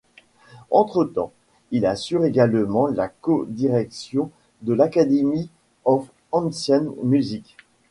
Entretemps, il assure également la codirection de l'Academy of Ancient Music.